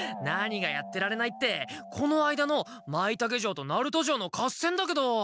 何がやってられないってこの間のマイタケ城とナルト城の合戦だけど。